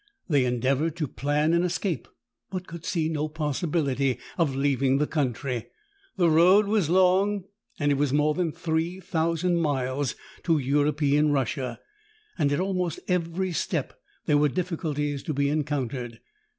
They endeavored to plan an escape, but could see no possibility of leaving the country. The road was long; it was more than three thousand miles to European Russia, and at almost every step there were difficulties to be encountered.